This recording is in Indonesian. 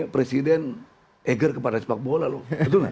presiden eger kepada sepak bola loh